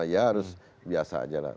ya harus biasa aja lah